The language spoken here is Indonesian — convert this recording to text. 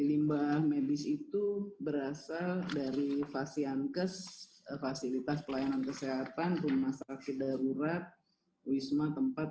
limbah medis itu berasal dari fasiankes fasilitas pelayanan kesehatan rumah sakit darurat wisma tempat